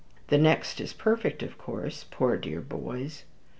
"The next is perfect, of course, poor dear boys."